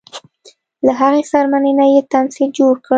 له هغې څرمنې نه یې تمبل جوړ کړی.